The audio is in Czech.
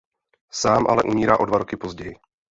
Sám ale umírá o dva roky později.